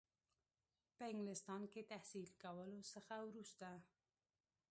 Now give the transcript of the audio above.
په انګلستان کې تحصیل کولو څخه وروسته.